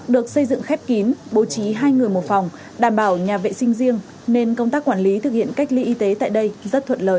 được xây dựng khép kín bố trí hai người một phòng đảm bảo nhà vệ sinh riêng nên công tác quản lý thực hiện cách ly y tế tại đây rất thuận lợi